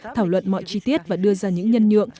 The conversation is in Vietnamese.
thảo luận mọi chi tiết và đưa ra những nhân nhượng